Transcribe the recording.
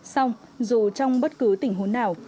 xong dù trong bất cứ tình huống nào